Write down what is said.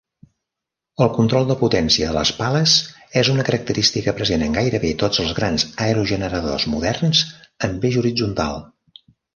El control de potència de les pales és una característica present en gairebé tots els grans aerogeneradors moderns amb eix horitzontal.